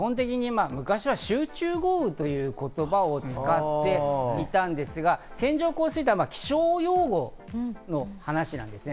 昔は集中豪雨という言葉を使っていたんですが、線状降水帯、気象用語の話です。